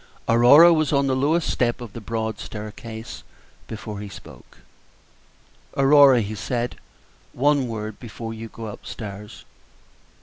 Aurora was on the lowest step of the broad staircase before he spoke. "Aurora," he said, "one word before you go up stairs."